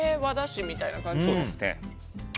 カレー和だしみたいな感じですね。